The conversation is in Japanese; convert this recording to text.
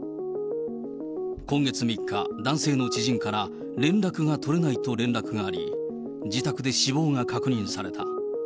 今月３日、男性の知人から、連絡が取れないと連絡があり、自宅で死亡が確認された。